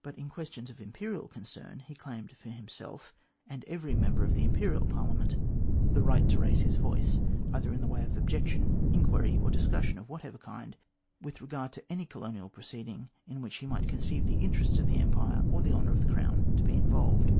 But, in questions of Imperial concern, he claimed for himself, and for every Member of the Imperial Parliament, the MR GLADSTONE AND THE COLONIES 243 right to raise his voice, either in the way of objection, inquiry, or discussion of whatever kind, with regard to any colonial proceeding in which he might conceive the interests of the \ Empire or the honour of the Crown to be involved.